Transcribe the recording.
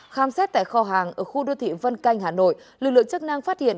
khám xét tại kho hàng ở khu đô thị vân canh hà nội lực lượng chức năng phát hiện